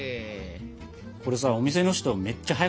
これさお店の人めっちゃ速かったよね？